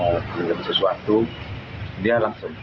mau buat sesuatu dia langsung